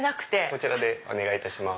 こちらでお願いいたします。